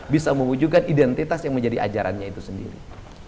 bisa mewujudkan identitas yang menjadi ajarannya itu sendiri